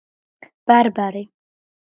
ბარბარე